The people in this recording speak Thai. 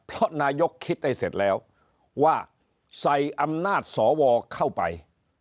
เพราะนายกคิดให้เสร็จแล้วว่าใส่อำนาจสวเข้าไป